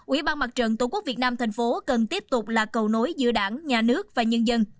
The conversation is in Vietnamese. ủy ban mặt trận tổ quốc việt nam thành phố cần tiếp tục là cầu nối giữa đảng nhà nước và nhân dân